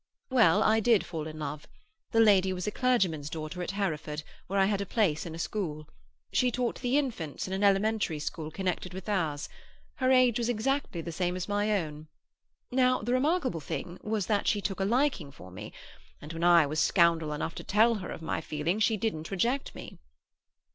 "Well, I did fall in love. The lady was a clergyman's daughter at Hereford, where I had a place in a school; she taught the infants in an elementary school connected with ours; her age was exactly the same as my own. Now, the remarkable thing was that she took a liking for me, and when I was scoundrel enough to tell her of my feeling, she didn't reject me."